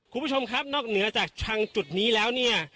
คุณผู้ชมครับนอกเหนือจากชังจุดนี้แล้วเนี่ย